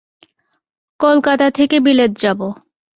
কলকাতা থেকে বিলেত যাব।